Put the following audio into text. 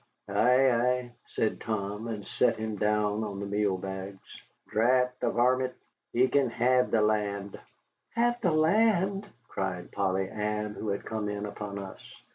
"Ay, ay," said Tom, and sat him down on the meal bags. "Drat the varmint, he kin hev the land." "Hev the land?" cried Polly Ann, who had come in upon us.